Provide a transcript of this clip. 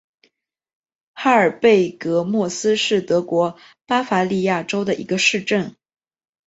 哈尔贝格莫斯是德国巴伐利亚州的一个市镇。